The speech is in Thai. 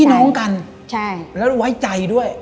น้องกันแล้วไว้ใจด้วย